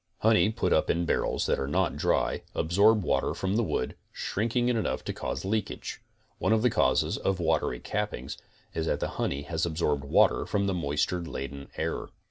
Honey put up in bar rels that are not dry, absorb water from the wood, shrinking it enough to cause leakage. One of the causes of watery cappings is that the honey has absorbed water from the moisture laden air.